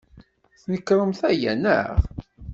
Tnekṛemt aya, naɣ?